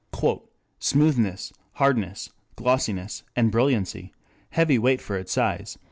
"Smoothness, hardness, glossiness, and brilliancy, heavy weight for its size